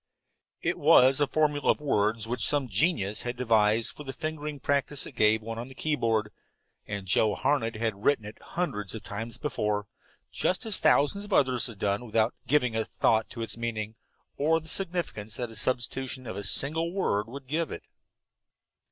It was a formula of words which some genius had devised for the fingering practice it gave one on the keyboard, and Joe Harned had written it hundreds of times before, just as thousands of others had done, without giving a thought to its meaning, or the significance that the substitution of a single word would give it.